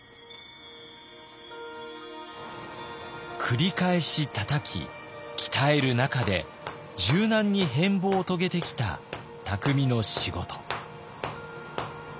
繰り返したたき鍛える中で柔軟に変貌を遂げてきた匠の仕事。